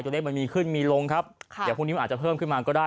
เลขมันมีขึ้นมีลงครับค่ะเดี๋ยวพรุ่งนี้มันอาจจะเพิ่มขึ้นมาก็ได้